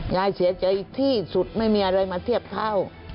ยายเสียใจที่สุดไม่มีอะไรมาเทียบเท่า